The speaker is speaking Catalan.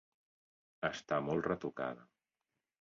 Està molt retocada.